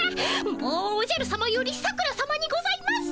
もうおじゃるさまより桜さまにございます！